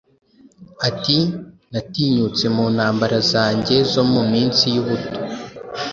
Ati Natinyutse mu ntambara zanjye zo mu minsi yubuto